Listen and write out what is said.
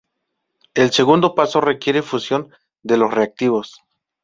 El segundo paso requiere fusión de los reactivos.